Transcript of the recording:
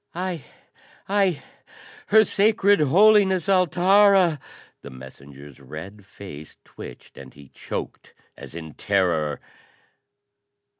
"I I, Her Sacred Holiness, Altara ." The messenger's red face twitched and he choked as in terror.